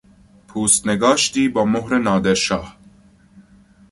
پوست نگاشتی با مهر نادرشاه